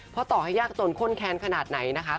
เพราะต่อให้ยากจนข้นแค้นขนาดไหนนะคะ